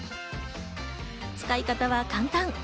使い方は簡単。